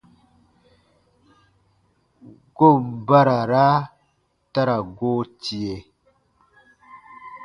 Goon barara ta ra goo tie.